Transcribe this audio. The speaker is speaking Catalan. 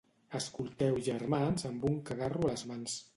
Escolteu germans amb un cagarro a les mans.